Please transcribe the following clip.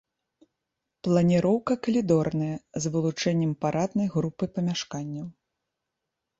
Планіроўка калідорная з вылучэннем параднай групы памяшканняў.